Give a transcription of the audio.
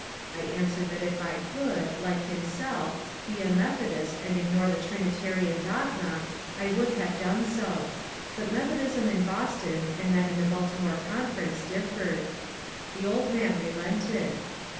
I answered that if I could, like him self, be a Methodist and ignore the Trinitarian dogma, I would have done so ; but Methodism in Boston and that in the Bal timore Conference differed. The old man relented.